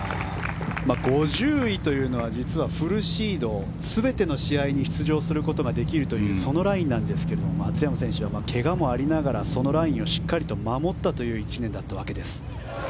５０位というのは実はフルシード全ての試合に出場することができるというそのラインなんですが松山選手は怪我もありながらそのラインを守ったという１年だったわけです。